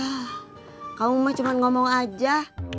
hah kamu mau cuman ngomong aja